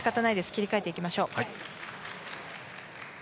切り替えていきましょう。